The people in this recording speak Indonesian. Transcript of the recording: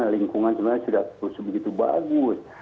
dan hubungan sebenarnya sudah sebagus bagus